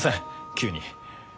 急に。